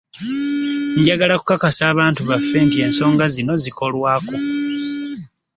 Njagala okukasa abantu baffe nti ensonga zino zikolwako